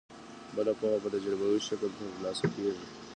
بله پوهه په تجربوي شکل ترلاسه کیږي.